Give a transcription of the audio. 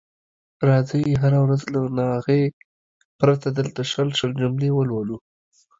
راځئ هره ورځ له ناغې پرته دلته شل شل جملې ولولو.